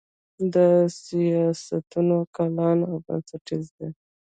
دا سیاستونه کلان او بنسټیز دي.